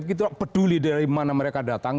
kita peduli dari mana mereka datang